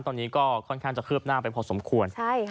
ตอนนี้ก็ค่อนข้างจะคืบหน้าไปพอสมควร